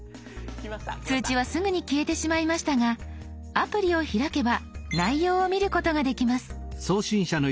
通知はすぐに消えてしまいましたがアプリを開けば内容を見ることができます。